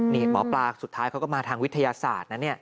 นี่หมอปลาสุดท้ายเขาก็มาทางวิทยาศาสตร์นะเนี่ย